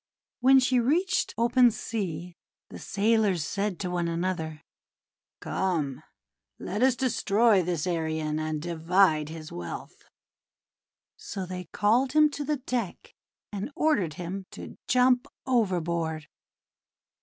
When she reached open sea, the sailors said to one another: :<Come, let us destroy this Arion, and divide his wealth." So they called him to the deck and ordered him to jump overboard.